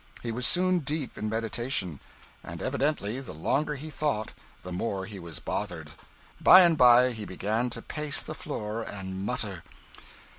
He was soon deep in meditation, and evidently the longer he thought, the more he was bothered. By and by he began to pace the floor and mutter.